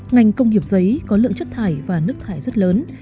ngành công nghiệp giấy có lượng chất thải và nước thải rất lớn